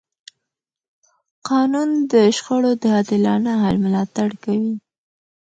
قانون د شخړو د عادلانه حل ملاتړ کوي.